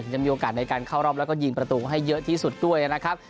จะมีโอกาสในการเข้ารอบแล้วก็ยิงประตูให้เยอะที่สุดด้วยนะครับ